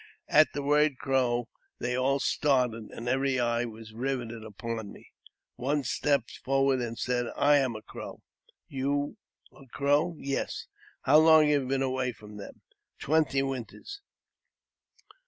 At the word '•' Crow " they all started, and every eye was riveted upon me. One stepped forward, and said, " I am a Crow." "You a Crow?" "Yes." " How long have you been away from them ?" "Twenty winters